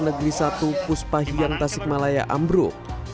negeri satu puspahian tasik malaya ambruk